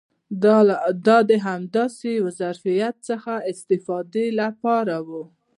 دا د همداسې یو ظرفیت څخه د استفادې لپاره و.